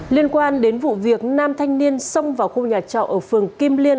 liên quan đến vụ việc nam thanh niên xông vào khu nhà trọ ở phường kim liên